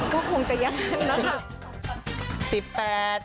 ก็คงจะอย่างนั้นนะคะ